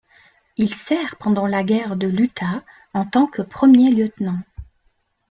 Il sert pendant la guerre de l'Utah en tant que premier lieutenant.